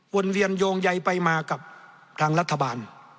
เวียนโยงใยไปมากับทางรัฐบาล